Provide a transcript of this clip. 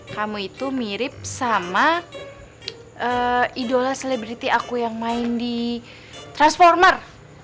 kamu itu mirip sama idola selebriti aku yang main di transformer